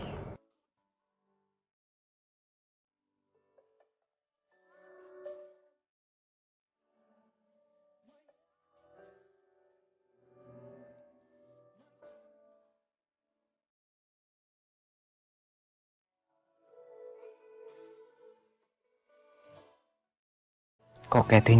kenapa tak cepet marius